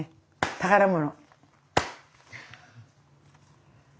宝物。